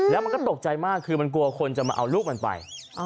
แล้วมันก็ตกใจมากคือมันกลัวคนจะมาเอาลูกมันไป